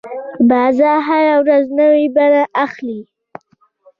بازار هره ورځ نوې بڼه اخلي.